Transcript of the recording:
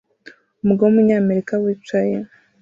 Umugabo wumunyamerika wicaye